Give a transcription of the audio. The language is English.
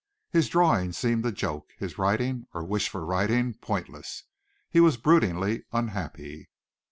His drawing seemed a joke, his writing, or wish for writing, pointless. He was broodingly unhappy.